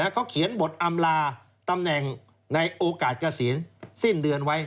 เขาเขียนบทอำลาตำแหน่งในโอกาสเกษียณสิ้นเดือนไว้